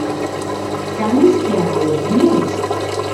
Κάνεις και άλλες δουλειές;